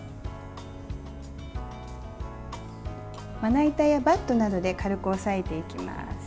まな板やバットなどで軽く押さえていきます。